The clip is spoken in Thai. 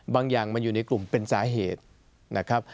อย่างมันอยู่ในกลุ่มเป็นสาเหตุนะครับ